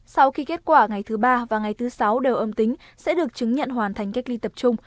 sau khi kết quả ngày thứ ba và ngày thứ sáu đều âm tính sẽ được chứng nhận hoàn thành cách ly tập trung